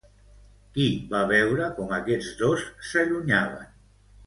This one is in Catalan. Qui va veure com aquests dos s'allunyaven?